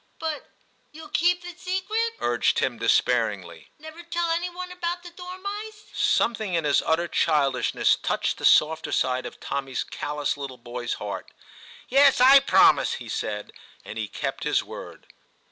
' But you'll keep the secret,' urged Tim despairingly ;' never tell any one about the dormice.' Something in his utter childishness touched the softer side of Tommy's callous little boy's heart. ' Yes, I promise,' he said ; and he kept his word.